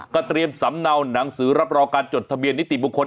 เตรียมสำเนาหนังสือรับรองการจดทะเบียนนิติบุคคล